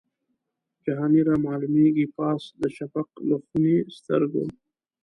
جهاني رامعلومیږي پاس د شفق له خوني سترګو